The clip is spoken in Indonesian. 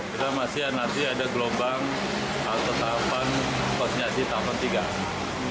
kita masih nanti ada gelombang atau tahapan konseniasi tahun tiga